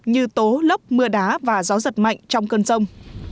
như tố lốc mưa đá và gió giật mạnh trong cơn rông